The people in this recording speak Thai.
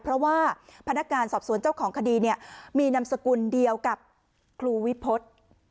เพราะว่าพนักงานสอบสวนเจ้าของคดีเนี่ยมีนามสกุลเดียวกับครูวิพฤษ